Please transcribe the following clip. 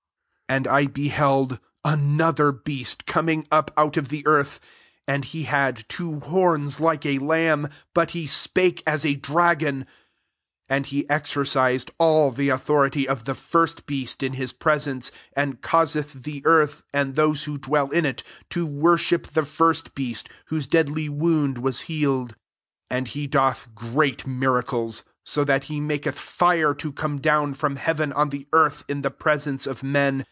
11 And I beheld anpther beast coming up out of the earth; and he had two horns like a lamb, but he spake as a dragon. 12 And he exercised an the authority of the first beast in his presence, and caus eth the earth, and those who dwell in it, to worship the first beast, whose deadly wound was healed. 13 And he doth great miracles ; so that he maketh fire to come down from heaven on the earth in the presence of men.